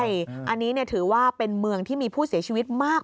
อันนี้ถือว่าเป็นเมืองที่มีผู้เสียชีวิตมาก